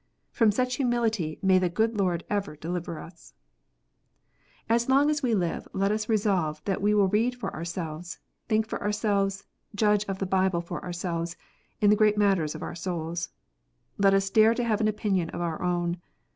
From such humility may the good Lord ever deliver us ! As long as we live, let us resolve that we will read for our selves, think for ourselves, judge of the Bible for ourselves, in the great matters of our souls. Let us dare to have an opinion of our own.